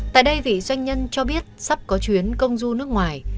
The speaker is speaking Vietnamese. tại đây doanh nhân cho biết sắp có chuyến công du nước ngoài